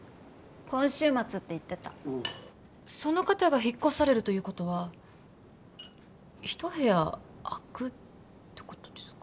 今週末って言ってたその方が引っ越されるということは一部屋空くってことですか？